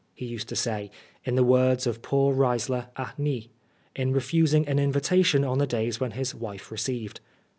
he used to say, in the words of poor Risler aine*, in refusing an invitation on the days when his wife received.